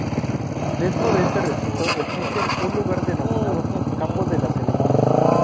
Dentro de este recinto existe un lugar denominado Campo de la Ceremonia.